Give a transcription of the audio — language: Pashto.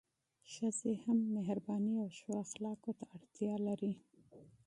ښځي هم مهربانۍ او ښو اخلاقو ته اړتیا لري